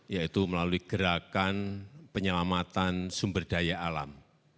yaitu melalui gerakan penyelamatan sumber daya alam